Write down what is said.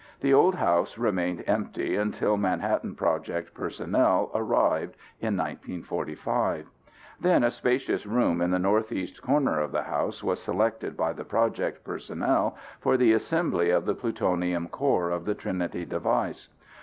The old house remained empty until Manhattan Project personnel arrived in 1945. Then a spacious room in the northeast corner of the house was selected by the Project personnel for the assembly of the plutonium core of the Trinity device.